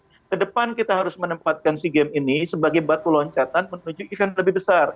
karena ke depan kita harus menempatkan si games ini sebagai batu loncatan menuju event lebih besar